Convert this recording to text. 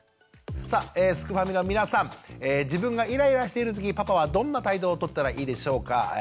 さあすくファミの皆さん自分がイライラしている時パパはどんな態度をとったらいいでしょうか。